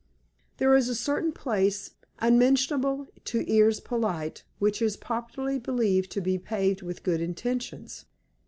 There is a certain place, unmentionable to ears polite, which is popularly believed to be paved with good intentions.